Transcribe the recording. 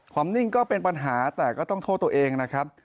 นิ่งก็เป็นปัญหาแต่ก็ต้องโทษตัวเองนะครับ